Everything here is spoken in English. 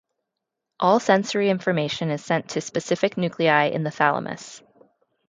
All sensory information is sent to specific nuclei in the thalamus.